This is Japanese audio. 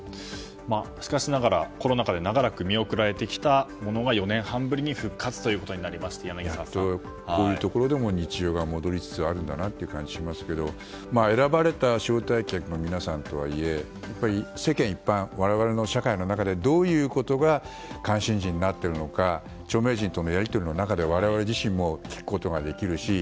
しかしながらコロナ禍で長らく見送られてきたものが４年半ぶりに復活となりましてやっとこういうところでも日常が戻りつつあるんだなという感じがしますけど選ばれた招待客の皆さんとはいえ世間一般、我々の社会の中でどういうことが関心事になっているのか著名人とのやり取りの中で我々自身も聞くことができるし。